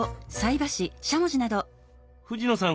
藤野さん